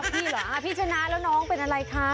พี่เหรอพี่ชนะแล้วน้องเป็นอะไรคะ